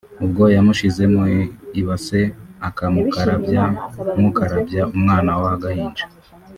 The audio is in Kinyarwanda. ubwo yamushyize mu ibase akamukarabya nk’ukarabya umwana w’agahinja